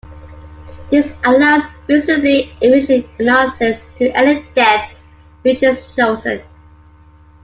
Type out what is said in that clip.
This allows reasonably efficient analysis to any depth which is chosen.